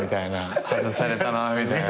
外されたなみたいな。